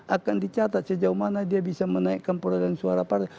akan dicatat sejauh mana dia bisa menaikkan peradaan suara partai